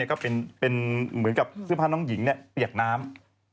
ก็เป็นเหมือนกับเสื้อผ้าน้องหญิงเปียกน้ำ